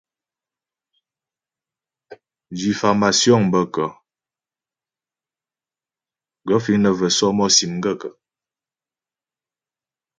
Diffámásyoŋ bə kə́ ? Gaə̂ fíŋ nə́ və̂ sɔ́mɔ́sì m gaə̂kə́ ?